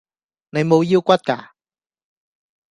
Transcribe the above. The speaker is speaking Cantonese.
你無腰骨架